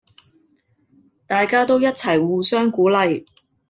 大家都一齊互相鼓勵